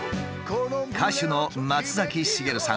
歌手の松崎しげるさん